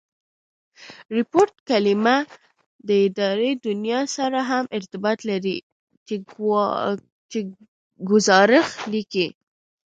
ریپوټ کلیمه د اداري دونیا سره هم ارتباط لري، چي ګوزارښ لیکي.